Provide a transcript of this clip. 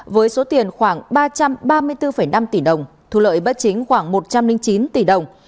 với số tiền khoảng ba trăm ba mươi bốn năm tỷ đồng thu lợi bất chính khoảng một trăm linh chín tỷ đồng